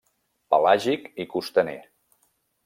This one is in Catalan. Pelàgic i costaner.